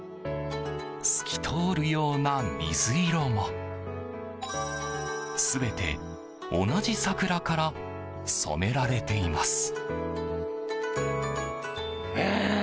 透き通るような水色も、全て同じ桜から染められています。